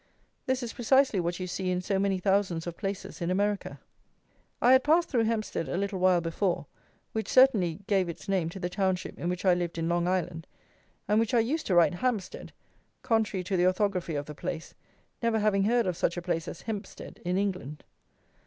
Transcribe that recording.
This is precisely what you see in so many thousands of places in America. I had passed through Hempstead a little while before, which certainly gave its name to the Township in which I lived in Long Island, and which I used to write Hampstead, contrary to the orthography of the place, never having heard of such a place as Hempstead in England.